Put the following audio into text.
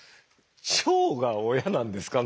腸が親なんですか？